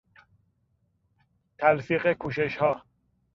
تلفیق کوششها